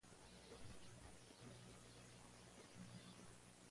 Desde la infancia comenzó a estudiar la ciencia islámica.